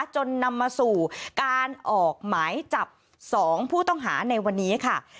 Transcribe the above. จนนำมาสู่การออกหมายจับ๒ผู้ต้องหาในวันนี้ค่ะ